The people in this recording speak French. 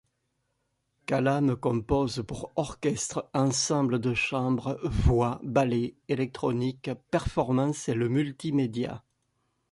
Calame compose pour orchestre, ensemble de chambre, voix, ballet, électronique, performance et le multimédia.